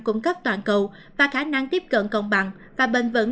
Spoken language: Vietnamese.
cung cấp toàn cầu và khả năng tiếp cận công bằng và bền vững